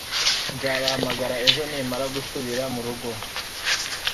Nzabahamagara ejo nimara gusubira murugo